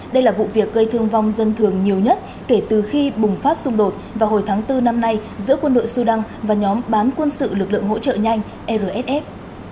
đây là vụ việc gây thương vong dân thường nhiều nhất kể từ khi bùng phát xung đột vào hồi tháng bốn năm nay giữa quân đội sudan và nhóm bán quân sự lực lượng hỗ trợ nhanh rsf